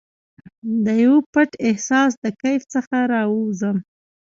دیو پټ احساس د کیف څخه راوزم